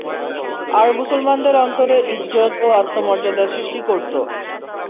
আর মুসলমানদের অন্তরে ইজ্জত ও আত্মমর্যাদা সৃষ্টি করত।